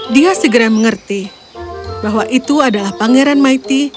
dia segera mengerti bahwa itu adalah pangeran maiti